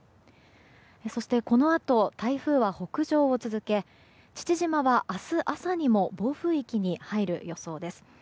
このあと台風は北上を続け父島は明日朝にも暴風域に入る予想です。